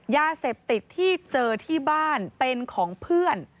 ยาเสพติดที่เจอที่บ้านเป็นของเพื่อน